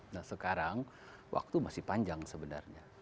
nah sekarang waktu masih panjang sebenarnya